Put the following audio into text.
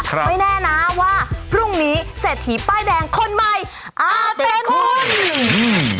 ครับไม่แน่น่าว่าพรุ่งนี้เศรษฐีป้ายแดงคนใหม่อาเตนคนอืม